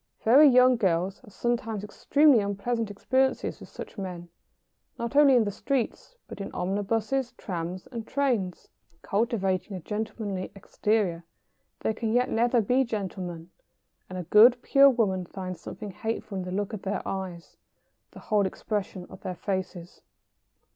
Very young girls have sometimes extremely unpleasant experiences with such men, not only in the streets but in omnibuses, trams, and trains. Cultivating a gentlemanly exterior, they can yet never be gentlemen, and a good, pure woman finds something hateful in the look of their eyes, the whole expression of their faces. [Sidenote: Their female counterparts.